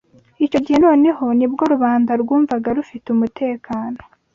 Icyo gihe noneho ni bwo rubanda rwumvaga rufite umutekano